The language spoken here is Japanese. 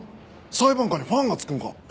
裁判官にファンがつくんか？